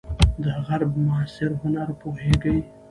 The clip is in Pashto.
د غرب معاصر هنر پوهیږئ؟